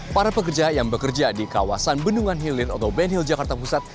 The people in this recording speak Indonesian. para pekerja yang bekerja di kawasan bendungan hilir atau benhil jakarta pusat